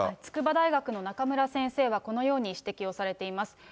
筑波大学の中村先生は、このように指摘をされています。